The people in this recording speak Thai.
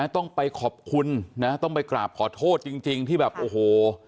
ต้องไปขอบคุณนะต้องไปกราบขอโทษจริงที่แบบโอ้โห